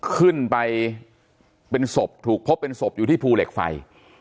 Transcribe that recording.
ขึ้นไปเป็นศพถูกพบเป็นศพอยู่ที่ภูเหล็กไฟ